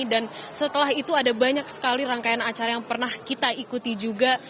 dan setelah itu ada banyak sekali rangkaian acara yang pernah kita ikuti juga